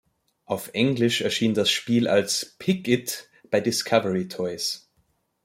Auf Englisch erschien das Spiel als "Pick-it" bei Discovery Toys.